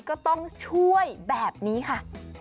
ก็ต้องช่วยแบบนี้ค่ะ